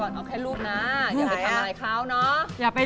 เราไม่รักษาสัญญาอะไร